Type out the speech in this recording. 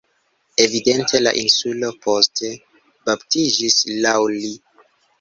Evidente la insulo poste baptiĝis laŭ li.